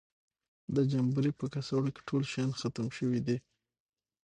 د جمبوري په کڅوړه کې ټول شیان ختم شوي دي.